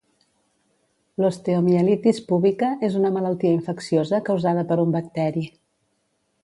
L'osteomielitis púbica és una malaltia infecciosa causada per un bacteri.